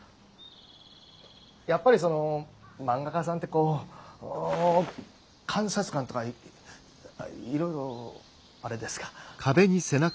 やっぱりその漫画家さんってこう観察眼とかいろいろアレですか。